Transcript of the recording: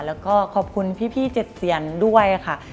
แล้วก็ขอบคุณพี่เจ็ดเซียนด้วยค่ะ